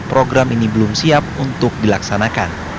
program ini belum siap untuk dilaksanakan